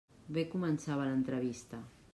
Bé començava l'entrevista.